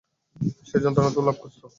সে যন্ত্রণাতেও লাভ খুঁজতো।